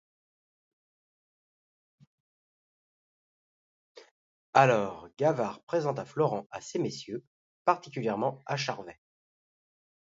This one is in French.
Alors, Gavard présenta Florent à ces messieurs, particulièrement à Charvet.